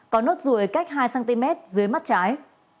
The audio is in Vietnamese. có nốt ruồi cách hai cm dưới mắt trái